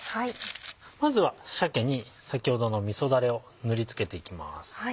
まずは鮭に先ほどのみそだれを塗り付けていきます。